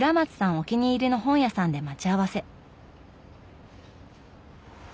お気に入りの本屋さんで待ち合わせ。